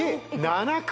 ７回！